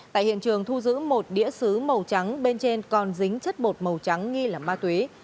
tại hiện trường thu giữ một đĩa xứ màu trắng bên trên còn dính chất bột màu trắng nghi là ma túy